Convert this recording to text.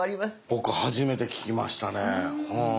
僕初めて聞きましたねはい。